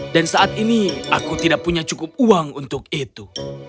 dan saat ini aku tidak punya cukup uang untuk itu